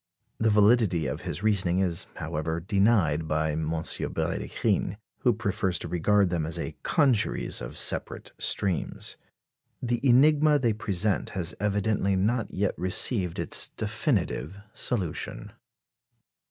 The validity of his reasoning is, however, denied by M. Brédikhine, who prefers to regard them as a congeries of separate streams. The enigma they present has evidently not yet received its definitive solution.